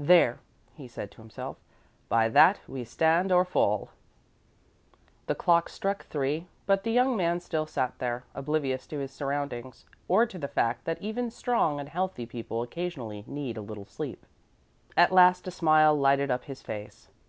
"There," he said to himself, "by that we stand or fall." The clocks struck three, but the young man still sat there, oblivious to his surroundings, or to the fact that even strong and healthy people occasionally need a little sleep. At last a smile lighted up his face.